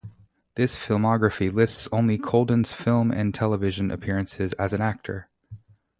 This filmography lists only Kolden's film and television appearances as an actor.